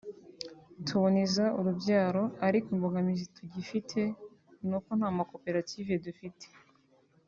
tuboneza urubyaro ariko imbogamizi tugifite ni uko nta makoperative dufite